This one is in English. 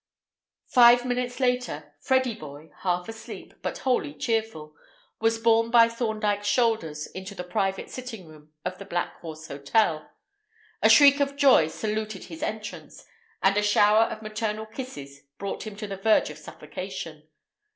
Five minutes later Freddy boy, half asleep, but wholly cheerful, was borne on Thorndyke's shoulders into the private sitting room of the Black Horse Hotel. A shriek of joy saluted his entrance, and a shower of maternal kisses brought him to the verge of suffocation.